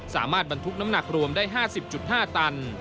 สามารถบรรทุกน้ำหนักรวมได้๕๐๕ตัน